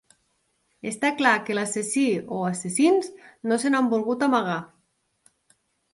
Està clar que l'assassí o assassins no se n'han volgut amagar.